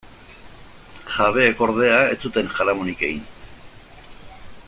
Jabeek, ordea, ez zuten jaramonik egin.